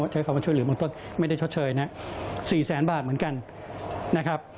ใช้ความช่วยเหลือเบื้องต้นไม่ได้ชดเชยนี่ระเบียงสี่แสนบาทเหมือนกันนะครับ